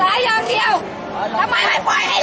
อาหรับเชี่ยวจามันไม่มีควรหยุด